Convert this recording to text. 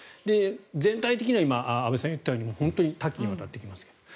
全体的には安部さんが言ったように多岐にわたってきますが。